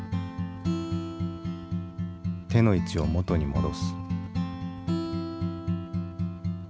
手の位置を元に戻す。